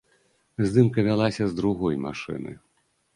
Здымка вялася з другой машыны.